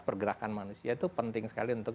pergerakan manusia itu penting sekali untuk